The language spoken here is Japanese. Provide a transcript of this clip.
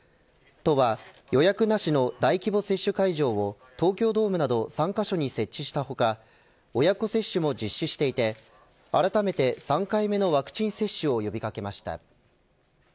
都は予約なしの大規模接種会場を東京ドームなど３カ所に設置した他親子接種も実施していてあらためて、３回目のワクチン接種を呼び掛けました。